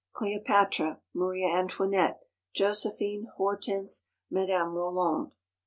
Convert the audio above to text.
_ CLEOPATRA. MARIA ANTOINETTE. JOSEPHINE. HORTENSE. MADAME ROLAND.